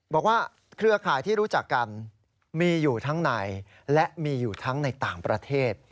เครือข่ายที่รู้จักกันมีอยู่ทั้งในและมีอยู่ทั้งในต่างประเทศ